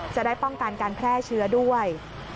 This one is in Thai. จะได้ป้องกันการแพร่เชื้อด้วย